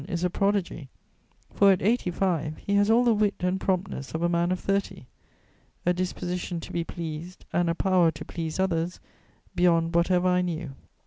is a prodigy; for at eighty five he has all the wit and promptness of a man of thirty. A disposition to be pleased, and a power to please others beyond whatever I knew."